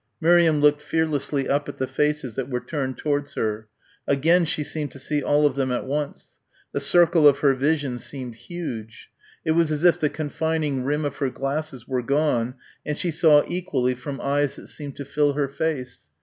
Miriam looked fearlessly up at the faces that were turned towards her. Again she seemed to see all of them at once. The circle of her vision seemed huge. It was as if the confining rim of her glasses were gone and she saw equally from eyes that seemed to fill her face.